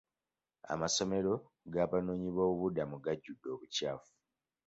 Amasomero g'abanoonyiboobubudamu gajjudde obukyafu.